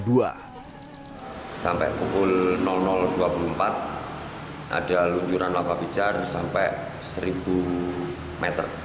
sampai pukul dua puluh empat ada luncuran lava pijar sampai seribu meter